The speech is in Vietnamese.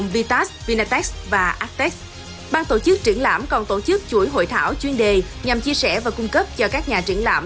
ban tổ chức triển lãm còn tổ chức chuỗi hội thảo chuyên đề nhằm chia sẻ và cung cấp cho các nhà triển lãm